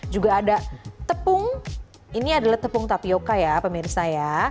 juga ada tepung ini adalah tepung tapioca ya pemirsa ya